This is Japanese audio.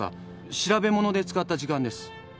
調べもので使った時間です。